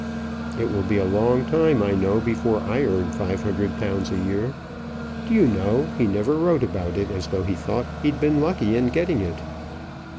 "It will be a long time, I know, before I earn five hundred pounds a year. Do you know, he never wrote about it as though he thought he'd been lucky in getting it."